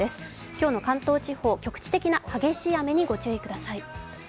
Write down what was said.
今日の関東地方、局地的な激しい雨に御注意ください。